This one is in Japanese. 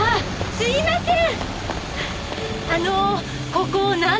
すいません。